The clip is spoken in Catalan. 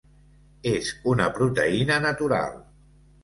És una proteïna natural.